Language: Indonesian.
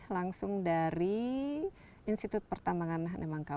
langsung dari institut pertambangan nemangkawa